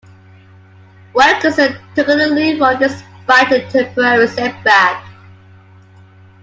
Wilkinson took the lead role despite the temporary setback.